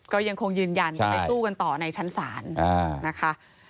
ก็ยังคงยืนยันจะไปสู้กันต่อในชั้นศาลนะคะ